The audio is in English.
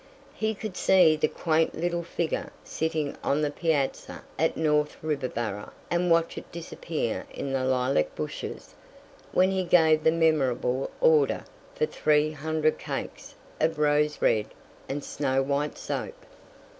He could see the quaint little figure sitting on the piazza at North Riverboro and watch it disappear in the lilac bushes when he gave the memorable order for three hundred cakes of Rose Red and Snow White soap.